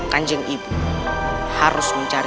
kan jengibu harus mencari